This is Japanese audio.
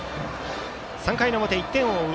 ３回の表、１点を追う